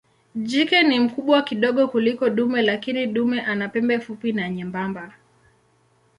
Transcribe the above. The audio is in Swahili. Jike ni mkubwa kidogo kuliko dume lakini dume ana pembe fupi na nyembamba.